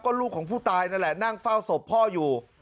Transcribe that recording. ลูกของผู้ตายนั่นแหละนั่งเฝ้าศพพ่ออยู่